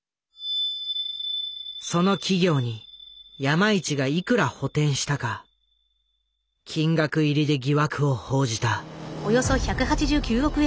その企業に山一がいくら補てんしたか金額入りで疑惑を報じた。